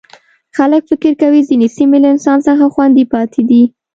خلک فکر کوي ځینې سیمې له انسان څخه خوندي پاتې دي.